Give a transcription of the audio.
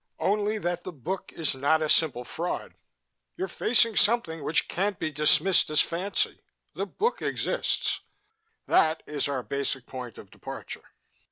"Only that the book is not a simple fraud. You're facing something which can't be dismissed as fancy. The book exists. That is our basic point of departure."